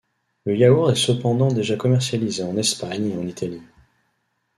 Le yaourt est cependant déjà commercialisé en Espagne et en Italie.